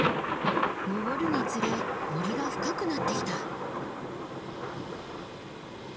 登るにつれ森が深くなってきた。